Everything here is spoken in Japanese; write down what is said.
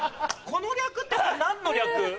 この略って何の略？